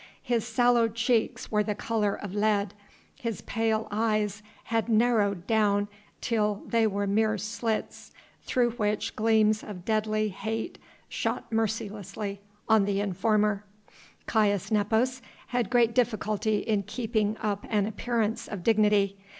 His sallow cheeks were the colour of lead, his pale eyes had narrowed down till they were mere slits through which gleams of deadly hate shot mercilessly on the informer. Caius Nepos had great difficulty in keeping up an appearance of dignity.